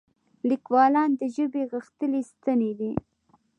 لیکوالان د ژبې غښتلي ستني دي.